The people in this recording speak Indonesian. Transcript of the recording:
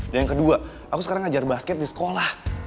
dan yang kedua aku sekarang ngajar basket di sekolah